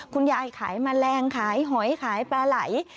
คุณยายขายแมลงขายหอยขายปลาไหล